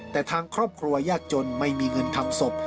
แต่ทางครอบครัวยากจนไม่มีเงินทำศพ